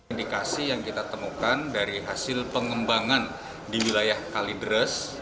indikasi yang kita temukan dari hasil pengembangan di wilayah kalideres